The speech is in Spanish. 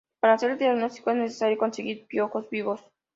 Para hacer el diagnóstico, es necesario conseguir piojos vivos.